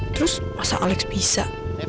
terus masa alex bisa